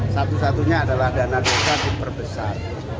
satu satunya adalah dana desa diperbesar